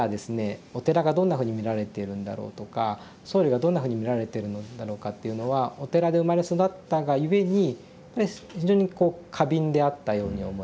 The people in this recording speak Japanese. お寺がどんなふうに見られているんだろうとか僧侶がどんなふうに見られているのだろうかというのはお寺で生まれ育ったが故に非常にこう過敏であったように思います。